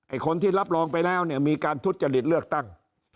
คนที่รับรองไปแล้วเนี่ยมีการทุจริตเลือกตั้ง